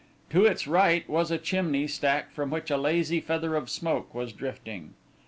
To its right was a chimney stack from which a lazy feather of smoke was drifting.